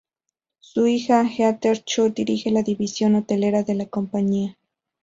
Su hija, Heather Cho, dirige la división hotelera de la compañía.